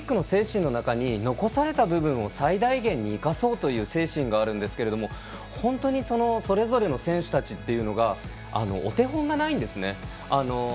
精神の中に残された部分を最大限に生かそうという精神があるんですが本当にそれぞれの選手たちがお手本がないんですね。